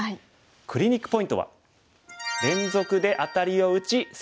クリニックポイントは。